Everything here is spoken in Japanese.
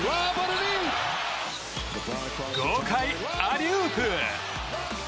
豪快アリウープ！